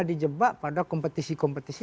dijebak pada kompetisi kompetisi